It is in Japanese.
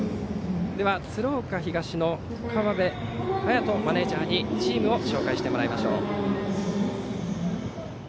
鶴岡東の川辺颯人マネージャーにチームを紹介してもらいましょう。